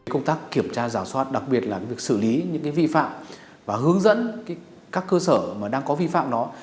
công tác kiểm tra giả soát đặc biệt là việc xử lý những vi phạm và hướng dẫn các cơ sở mà đang có vi phạm đó